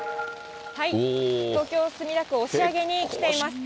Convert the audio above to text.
東京・墨田区押上に来ています。